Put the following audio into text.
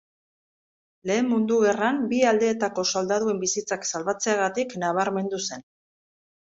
Lehen Mundu Gerran bi aldeetako soldaduen bizitzak salbatzeagatik nabarmendu zen.